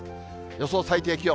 予想最低気温。